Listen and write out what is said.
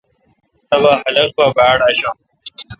تبا خاق پہ باڑاشان۔